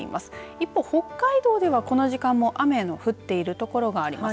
一方、北海道ではこの時間も雨が降っているところがあります。